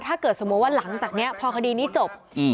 ถ้าเกิดสมมุติว่าหลังจากนี้พอคดีนี้จบ